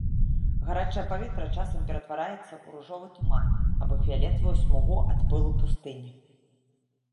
Гарачае паветра часам ператвараецца ў ружовы туман або фіялетавую смугу ад пылу пустыні.